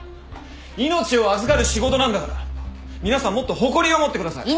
命を預かる仕事なんだから皆さんもっと誇りを持ってください。